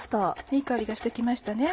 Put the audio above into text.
いい香りがして来ましたね。